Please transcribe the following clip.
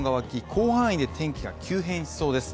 広範囲で天気が急変しそうです